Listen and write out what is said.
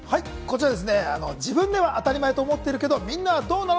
こちらは自分では当たり前と思ってるけど、みんなはどうなの？